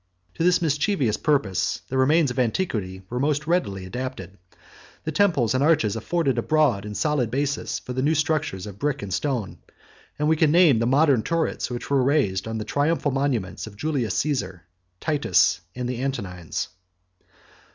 To this mischievous purpose the remains of antiquity were most readily adapted: the temples and arches afforded a broad and solid basis for the new structures of brick and stone; and we can name the modern turrets that were raised on the triumphal monuments of Julius Cæsar, Titus, and the Antonines.